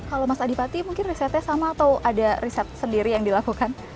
kalau mas adipati mungkin risetnya sama atau ada riset sendiri yang dilakukan